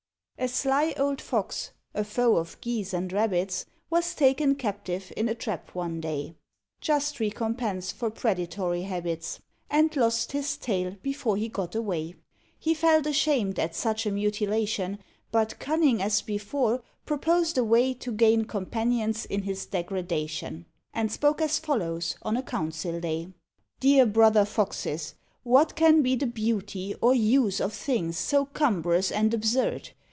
A sly old Fox, a foe of Geese and Rabbits, Was taken captive in a trap one day (Just recompense of predatory habits), And lost his tail before he got away. He felt ashamed at such a mutilation; But, cunning as before, proposed a way To gain companions in his degradation; And spoke as follows, on a council day: "Dear brother Foxes, what can be the beauty Or use of things so cumbrous and absurd?